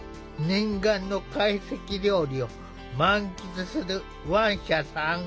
念願の会席料理を満喫するワンシャさん。